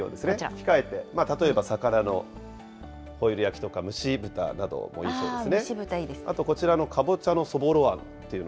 脂っこい料理を控えて、例えば魚のホイル焼きとか、蒸し豚などもいいそうですね。